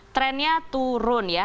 trendnya turun ya